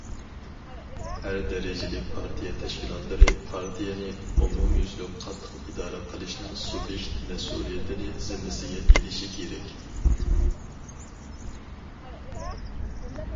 ھەر دەرىجىلىك پارتىيە تەشكىلاتلىرى پارتىيەنى ئومۇميۈزلۈك قاتتىق ئىدارە قىلىشنىڭ سۇبيېكت مەسئۇلىيىتىنى زىممىسىگە ئېلىشى كېرەك.